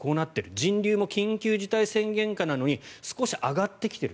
人流も緊急事態宣言下なのに少し上がってきている。